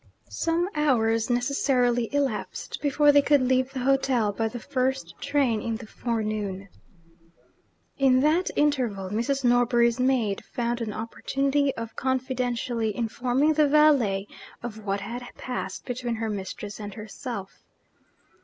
Some hours necessarily elapsed before they could leave the hotel, by the first train in the forenoon. In that interval, Mrs. Norbury's maid found an opportunity of confidentially informing the valet of what had passed between her mistress and herself.